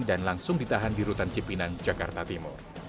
dan langsung ditahan di rutan cipinan jakarta timur